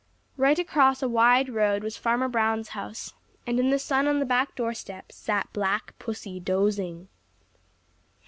Right across a wide road was Farmer Brown's house, and in the sun on the back doorstep sat Black Pussy dozing.